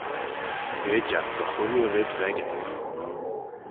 Gheid ad dagh ooilley red v'echey.